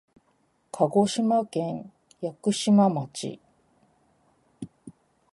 鹿児島県屋久島町